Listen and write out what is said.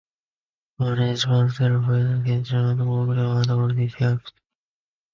Stephan was self-educated and worked hard all his life.